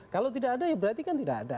kalau tidak ada ya berarti kan tidak ada